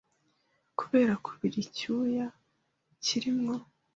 kubera kubira icyuya kirimo